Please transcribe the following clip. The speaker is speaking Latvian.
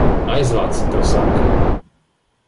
Aizvāc, tev saka!